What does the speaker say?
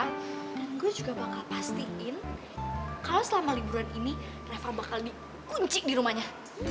dan gue juga bakal pastiin kalau selama liburan ini reva bakal dikunci di rumahnya